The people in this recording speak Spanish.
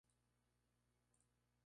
Nombre egipcio: Shas-hotep.